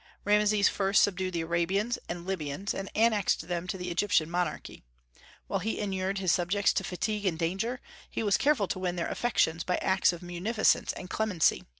Rameses first subdued the Arabians and Libyans, and annexed them to the Egyptian monarchy. While he inured his subjects to fatigue and danger, he was careful to win their affections by acts of munificence and clemency.